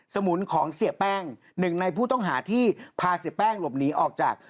สมุนของเสียแป้งหนึ่งในผู้ต้องหาที่พาเสียแป้งหลบหนีออกจาก